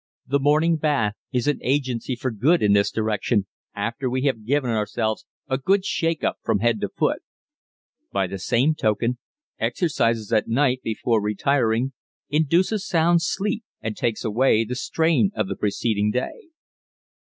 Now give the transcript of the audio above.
The morning bath is an agency for good in this direction after we have given ourselves a good shake up from head to foot. By the same token, exercises at night before retiring induces sound sleep and takes away the strain of the preceding day.